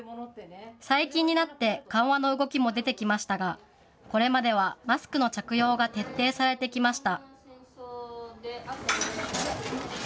最近になって緩和の動きも出てきましたがこれまではマスクの着用が徹底されてきました。